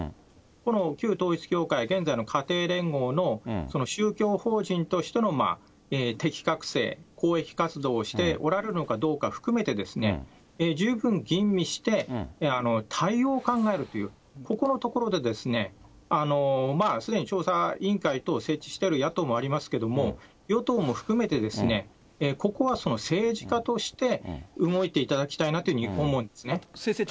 この旧統一教会、現在の家庭連合の宗教法人としての適格性、公益活動をしておられるのかどうか含めてですね、十分吟味して、対応を考えるという、ここのところで、すでに調査委員等設置している野党もありますけども、与党も含めて、ここは政治家として動いていただきたいなというふうに思うんです先生